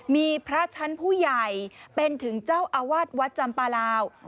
มีพระชั้นผู้ใหญ่เป็นถึงเจ้าอาวาสวัดจำปลาลาว